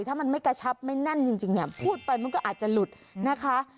ถ้ามันไม่กระชับไม่แน่นจริงเนี่ยพูดไปมันก็อาจจะหลุดนะคะ